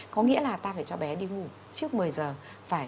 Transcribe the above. có nghĩa là ta phải cho bé đi ngủ trước một mươi giờ